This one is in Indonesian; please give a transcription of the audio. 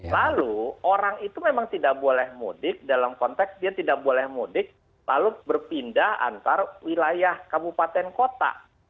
lalu orang itu memang tidak boleh mudik dalam konteks dia tidak boleh mudik lalu berpindah antar wilayah kabupaten kota